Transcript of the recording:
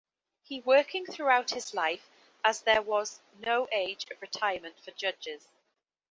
He working throughout his life as there was no age of retirement for judges.